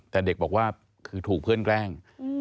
แต่เด็กบอกว่าคือถูกเพื่อนแกล้ง